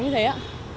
chống như thế ạ